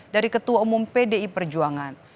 dari ketua umum pdi perjuangan